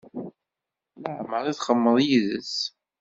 Leɛmeṛ i txedmeḍ yid-s?